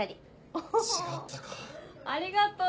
おありがとう。